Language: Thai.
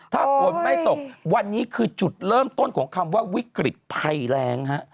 ถ้าฝนไม่ตกวันนี้คือจุดเริ่มต้นของคำว่าวิกฤตภัยแรงฮะ